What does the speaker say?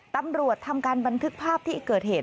ตำรวจทำการบันทึกภาพที่เกิดเหตุ